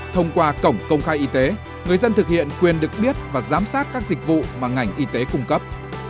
thông qua cổng công khai y tế người dân thực hiện quyền được biết và giám sát các dịch vụ mà ngành y tế cung cấp